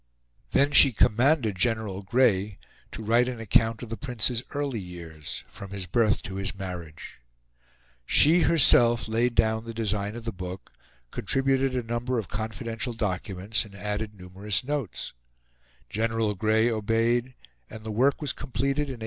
Then she commanded General Grey to write an account of the Prince's early years from his birth to his marriage; she herself laid down the design of the book, contributed a number of confidential documents, and added numerous notes; General Grey obeyed, and the work was completed in 1866.